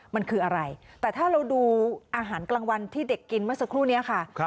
มันคืออะไรแต่ถ้าเราดูอาหารกลางวันที่เด็กกินเมื่อสักครู่นี้ค่ะ